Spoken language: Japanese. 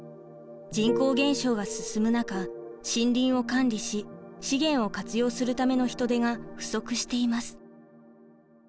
人口減少が進む中森林を管理し資源を活用するための人手が不足しています。